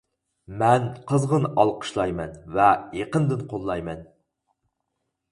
مەن قىزغىن ئالقىشلايمەن ۋە يېقىندىن قوللايمەن.